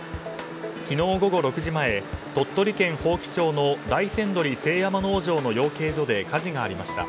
昨日午後６時前、鳥取県伯耆町の大山どり清山農場の養鶏所で火事がありました。